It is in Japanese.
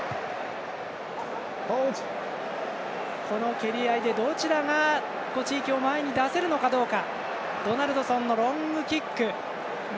蹴り合いでどちらが地域を前に出せるのかどうか。